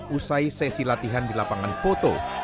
usai sesi latihan di lapangan foto